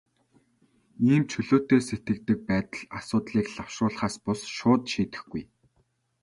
Ийм чөлөөтэй сэлгэдэг байдал асуудлыг лавшруулахаас бус, шууд шийдэхгүй.